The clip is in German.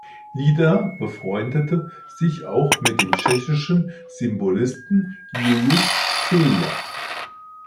Lieder befreundete sich auch mit dem tschechischen Symbolisten Julius Zeyer.